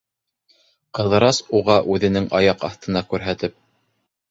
Ҡыҙырас уға, үҙенең аяҡ аҫтына күрһәтеп: